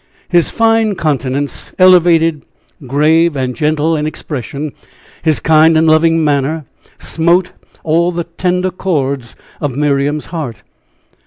His fine countenance, elevated, grave and gentle in expression, his kind and loving manner, smote all the tender chords of Miriam's heart.